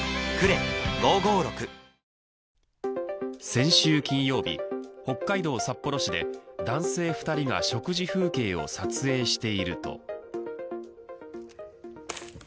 先週金曜日、北海道札幌市で男性２人が食事風景を撮影していると。